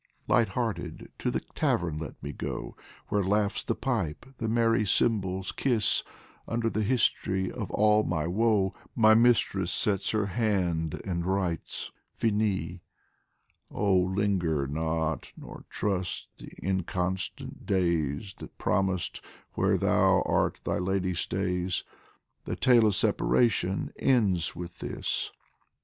Light hearted to the tavern let me go, Where laughs the pipe, the merry cymbals kiss : Under the history of all my woe, My mistress sets her hand and writes : Finis. 97 G POEMS FROM THE Oh, linger not, nor trust the inconstant days That promised : Where thou art thy lady stays The tale of separation ends with this